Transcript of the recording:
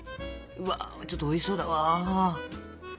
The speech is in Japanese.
うわちょっとおいしそうだわ。